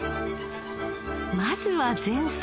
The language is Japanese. まずは前菜。